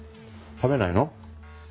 食べないの？